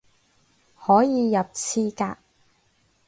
可以入廁格